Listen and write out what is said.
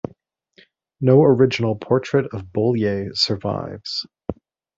No original portrait of Bolyai survives.